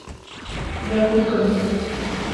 میں خود کروں گا